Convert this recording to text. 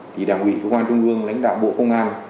thì đảng ủy công an trung ương lãnh đạo bộ công an